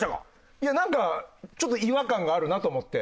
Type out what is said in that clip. いやなんかちょっと違和感があるなと思って。